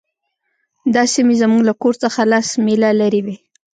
دا سیمې زموږ له کور څخه لس میله لرې وې